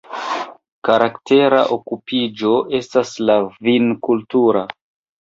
Karaktera okupiĝo estas la vinkulturo.